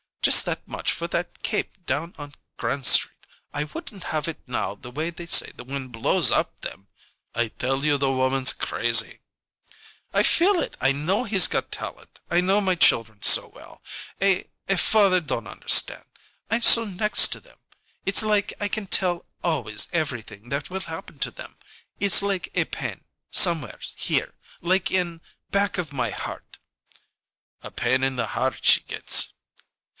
Just that much for that cape down on Grand Street. I wouldn't have it now, the way they say the wind blows up them " "I tell you the woman's crazy " "I feel it! I know he's got talent! I know my children so well. A a father don't understand. I'm so next to them. It's like I can tell always everything that will happen to them it's like a pain somewheres here like in back of my heart." "A pain in the heart she gets."